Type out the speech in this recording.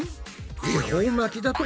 恵方巻きだと？